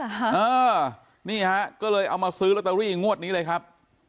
เออนี่ฮะก็เลยเอามาซื้อลอตเตอรี่งวดนี้เลยครับ